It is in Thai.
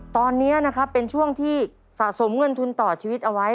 ตอนนี้นะครับเป็นช่วงที่สะสมเงินทุนต่อชีวิตเอาไว้